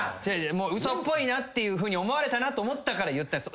嘘っぽいなっていうふうに思われたなと思ったから言ったんす。